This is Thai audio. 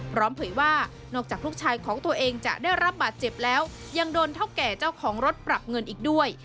เผยว่านอกจากลูกชายของตัวเองจะได้รับบาดเจ็บแล้วยังโดนเท่าแก่เจ้าของรถปรับเงินอีกด้วย